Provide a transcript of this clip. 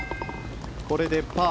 これでパー。